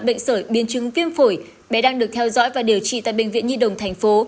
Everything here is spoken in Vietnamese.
bệnh sởi biến chứng viêm phổi bé đang được theo dõi và điều trị tại bệnh viện nhi đồng thành phố